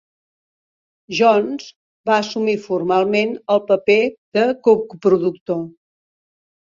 Johns va assumir formalment el paper de coproductor.